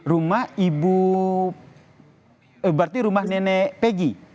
rumah ibu berarti rumah nenek peggy